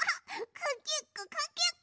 かけっこかけっこ！